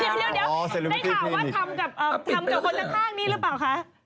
เดี๋ยวได้ข่าวว่าทำกับคนข้างนี้หรือเปล่าคะ